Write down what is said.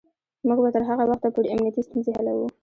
موږ به تر هغه وخته پورې امنیتی ستونزې حلوو.